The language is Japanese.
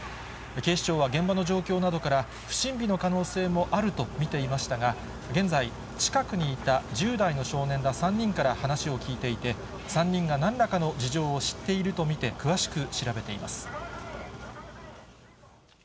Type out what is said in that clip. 警視庁は現場の状況などから、不審火の可能性もあると見ていましたが、現在、近くにいた１０代の少年ら３人から話を聴いていて、３人がなんらかの事情を知っていると見て、詳しく調べています。